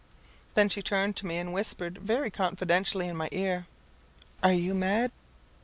Then she turned to me, and whispered very confidentially in my ear, "Are you mad?